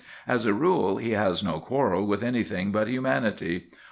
As a rule, he has no quarrel with anything but humanity.